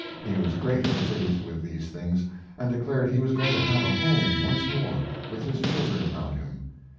He was greatly pleased with these things, and declared he was going to have a home once more with his children about him.